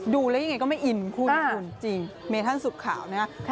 ดูแล้วยังไงก็ไม่อินคุณจริงเมธันสุดขาวนะครับ